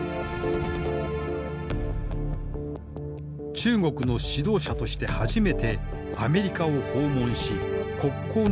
中国の指導者として初めてアメリカを訪問し国交の樹立に合意。